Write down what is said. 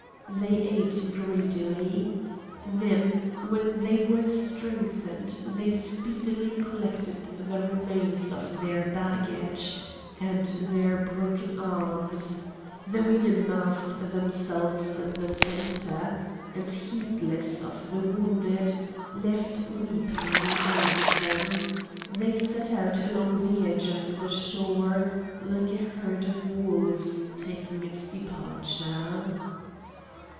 They ate greedily. Then when they were strengthened they speedily collected the remains of their baggage and their broken arms; the women massed themselves in the centre, and heedless of the wounded left weeping behind them, they set out along the edge of the shore like a herd of wolves taking its departure.